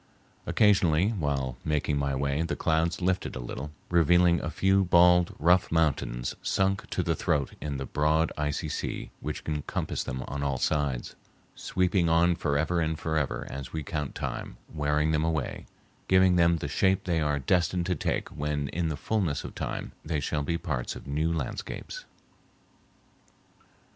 Occasionally, while making my way, the clouds lifted a little, revealing a few bald, rough mountains sunk to the throat in the broad, icy sea which encompassed them on all sides, sweeping on forever and forever as we count time, wearing them away, giving them the shape they are destined to take when in the fullness of time they shall be parts of new landscapes.